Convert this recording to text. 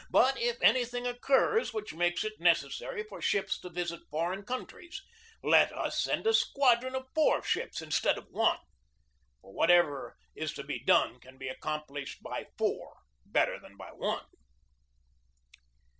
But if anything oc 162 GEORGE DEWEY curs which makes it necessary for ships to visit foreign countries, let us send a squadron of four ships instead of one, for whatever is to be done can be accomplished by four better than by one."